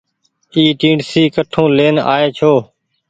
اي ٽيڻسي ڪٺون لين آئي ڇو۔